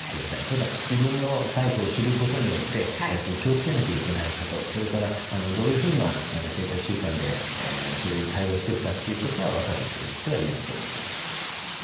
ただ自分のタイプを知ることによって気をつけなきゃいけないことそれからどういうふうな生活習慣でそれに対応していくかということは分かるということが言えると思います。